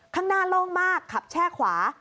ข้างหน้าโล่งมากขับแช่ขวา